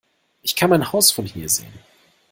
Ich kann mein Haus von hier sehen!